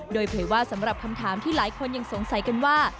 โดยเผยว่าสำหรับคำถามที่หลายคนยังสงสัยกันว่า